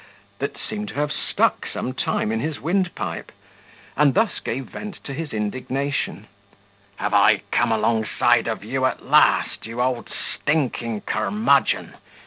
that seemed to have stuck some time in his windpipe; and thus gave vent to his indignation: "Have I come alongside of you at last, you old stinking curmudgeon?